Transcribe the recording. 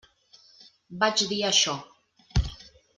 Vaig dir això.